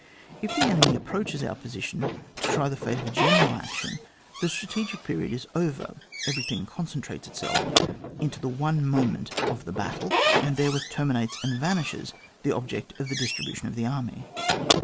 If the enemy approaches our position to try the fate of a general action, the stra tegic period is over, everything concen trates itself into the one moment of the battle, and therewith terminates and vanishes the object of the distribution of the army.